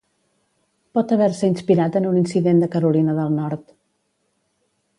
Pot haver-se inspirat en un incident de Carolina del Nord.